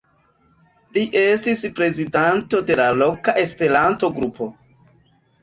Li estis prezidanto de la loka Esperanto-grupo.